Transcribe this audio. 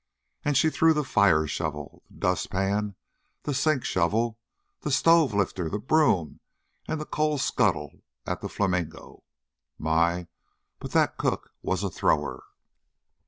And she threw the fire shovel, the dustpan, the sink shovel, the stove lifter, the broom and the coal scuttle at the flamingo. My, but that cook was a thrower!